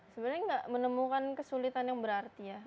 sebenarnya nggak menemukan kesulitan yang berarti ya